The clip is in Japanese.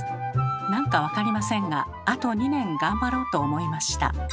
なんか分かりませんがあと２年頑張ろうと思いました。